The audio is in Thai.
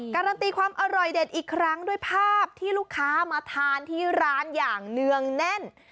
การันตีความอร่อยเด็ดอีกครั้งด้วยภาพที่ลูกค้ามาทานที่ร้านอย่างเนื่องแน่น